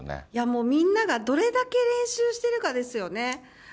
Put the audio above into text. いや、もうみんながどれだけ練習してるかですよね。